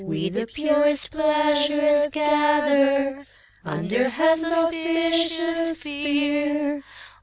We the purest pleasures gather, Under Heaven's auspicious sphere!